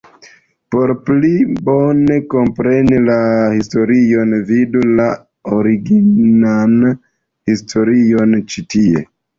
Por pli bone kompreni la historion vidu la originan historion ĉi tie!